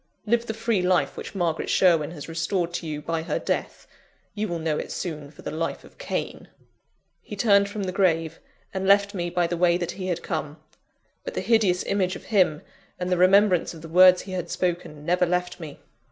Live the free life which Margaret Sherwin has restored to you by her death you will know it soon for the life of Cain!" He turned from the grave, and left me by the way that he had come; but the hideous image of him, and the remembrance of the words he had spoken, never left me.